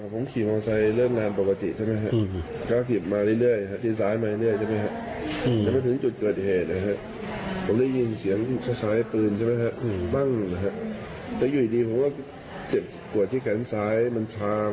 ของพระแดงใช่ไหมได้ยินเสียงเพิ่งขี่นั้น